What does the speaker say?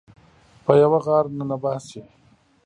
په یوه غار ننه باسي